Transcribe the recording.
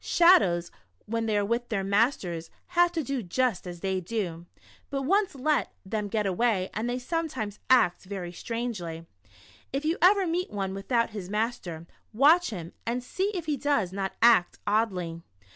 Shadows when they are with their masters have to do just as they do, but once let them get away and they sometimes act ver} strangely. If you ever meet one without his master, watch him and see if he does not act oddly.